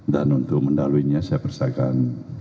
dan untuk mendahulunya saya persetakan